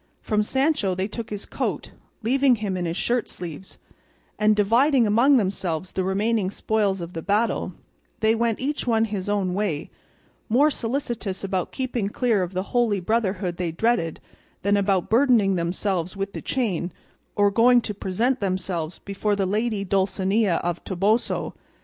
From Sancho they took his coat, leaving him in his shirt sleeves; and dividing among themselves the remaining spoils of the battle, they went each one his own way, more solicitous about keeping clear of the Holy Brotherhood they dreaded, than about burdening themselves with the chain, or going to present themselves before the lady Dulcinea del Toboso.